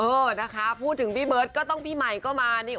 เออนะคะพูดถึงพี่เบิร์ตก็ต้องพี่ใหม่ก็มานี่